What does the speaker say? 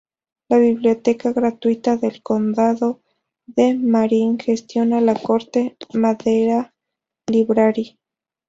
La Biblioteca Gratuita del Condado de Marin gestiona la Corte Madera Library.